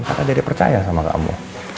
kakak jadi percaya sama kamu